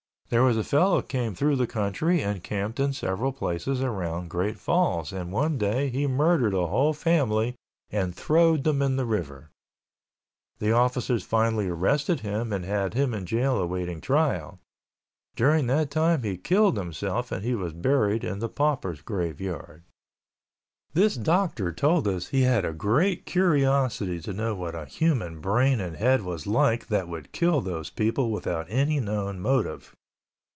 There was a fellow came through the country and camped in several places around Great Falls and one day he murdered a whole family and throwed them in the river. The officers finally arrested him and had him in jail awaiting trial. During that time he killed himself and he was buried in the paupers' graveyard. This doctor told us he had a great curiosity to know what a human brain and head was like that would kill those people without any known motive.